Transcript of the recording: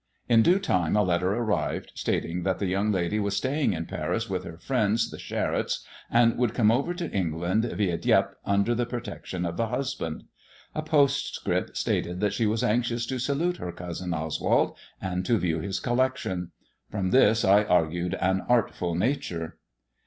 In due time a letter arrived, stating that the young lady was staying in Paris with her friends, the Charettes, and would come over to England, vi4 Dieppe, under the protection of the husband. A post* script stated that she was anxious to salute her cousin Oswald, and to view his collection. From this I argued an artful nature.